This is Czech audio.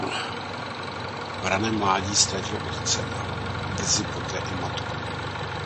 V raném mládí ztratil otce a brzy poté i matku.